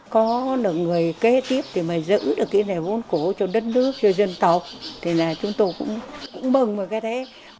có được người kế tiếp để mà giữ được cái nẻ vốn cổ cho đất nước cho dân tộc thì là chúng tôi cũng mừng một cái thế